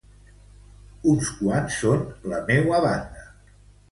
Uns quants són la meua banda.